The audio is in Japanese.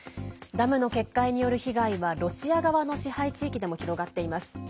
ダムの決壊による被害はロシア側の支配地域でも広がっています。